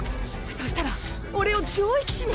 そしたら俺を上位騎士に。